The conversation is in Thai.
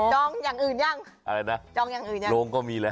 อย่างอื่นยังอะไรนะจองอย่างอื่นยังโรงก็มีแล้ว